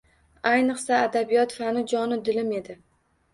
Ayniqsa, adabiyot fani jonu dilim edi